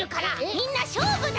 みんなしょうぶだ！